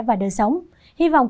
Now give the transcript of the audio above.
và đồng hành